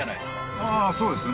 ああーそうですね